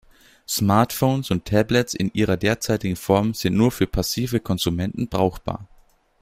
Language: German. Smartphones und Tablets in ihrer derzeitigen Form sind nur für passive Konsumenten brauchbar.